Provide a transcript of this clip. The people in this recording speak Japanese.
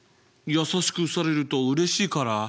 優しくされるとうれしいから。